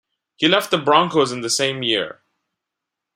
He left the Broncos in the same year.